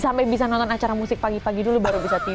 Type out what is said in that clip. sampai bisa nonton acara musik pagi pagi dulu baru bisa tiba